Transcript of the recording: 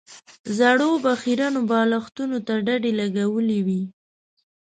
زړو به خيرنو بالښتونو ته ډډې لګولې وې.